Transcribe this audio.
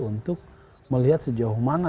untuk melihat sejauh mana